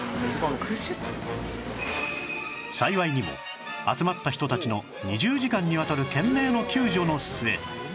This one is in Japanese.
幸いにも集まった人たちの２０時間にわたる懸命の救助の末